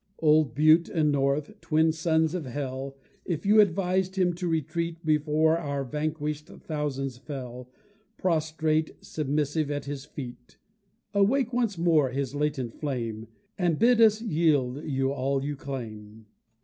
Old Bute and North, twin sons of hell, If you advised him to retreat Before our vanquished thousands fell, Prostrate, submissive at his feet: Awake once more his latent flame, And bid us yield you all you claim.